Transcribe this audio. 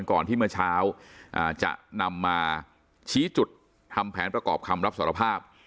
ก่อนที่เมื่อเช้าจะนำมาชี้จุดทำแผนประกอบคำรับสารภาพ